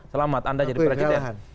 selamat anda jadi presiden